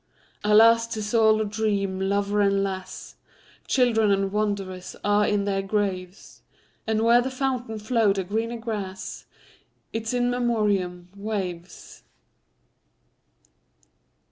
Alas! 't is all a dream. Lover and lass, Children and wanderers, are in their graves; And where the fountain flow'd a greener grass—Its In Memoriam—waves.